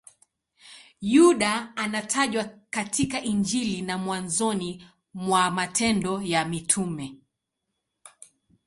Yuda anatajwa katika Injili na mwanzoni mwa Matendo ya Mitume.